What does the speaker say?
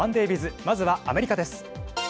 まずは、アメリカです。